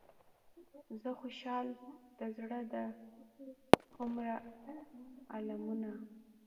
زه خوشحال د زړه دا هومره المونه.